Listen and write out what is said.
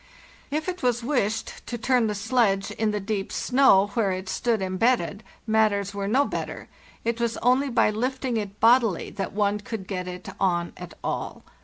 If it was wished to turn the sledge in the deep snow where it stood embedded, matters were no better; it was only by lifting it bodily that one could get it on at all.